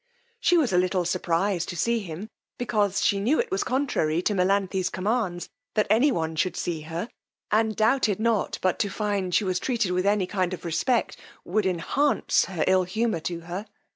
She was a little surprized to see him, because she knew it was contrary to Melanthe's commands that any one should see her; and doubted not but to find she was treated with any kind of respect, would enhance her ill humour to her.